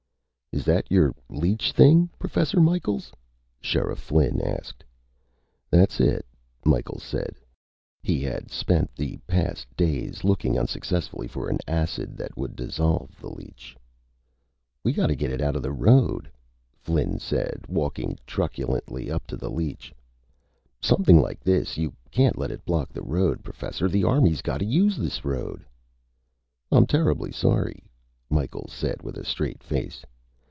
"Is that your leech thing, Professor Micheals?" Sheriff Flynn asked. "That's it," Micheals said. He had spent the past days looking unsuccessfully for an acid that would dissolve the leech. "We gotta get it out of the road," Flynn said, walking truculently up to the leech. "Something like this, you can't let it block the road, Professor. The Army's gotta use this road." "I'm terribly sorry," Micheals said with a straight face.